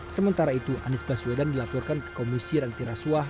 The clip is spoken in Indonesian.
sementara itu anies baswedan dilaporkan ke komisi rantirasuah